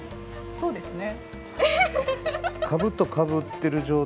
そうですね。